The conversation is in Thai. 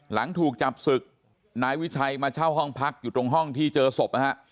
หลังถูกจับศึกนายวิชัยมาเช่าห้องพักอยู่ตรงห้องที่เจอศพนะฮะ